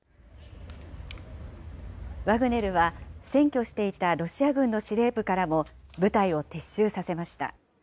ワグネルは占拠していたロシア軍の司令部からも部隊を撤収させました。